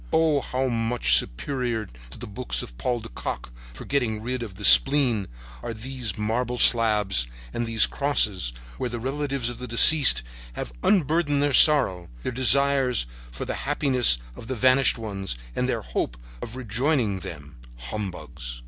Oh, how much superior to the books of Paul de Kock for getting rid of the spleen are these marble slabs and these crosses where the relatives of the deceased have unburdened their sorrow, their desires for the happiness of the vanished ones and their hope of rejoining them—humbugs!